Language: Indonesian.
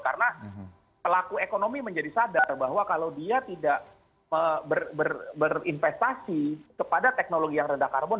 karena pelaku ekonomi menjadi sadar bahwa kalau dia tidak berinvestasi kepada teknologi yang rendah karbon